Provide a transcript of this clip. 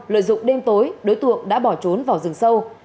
lợi dụng đêm tối đối tượng đã bỏ trốn vào rừng sâu